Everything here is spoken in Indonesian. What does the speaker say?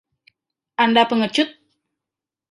Anda pengecut?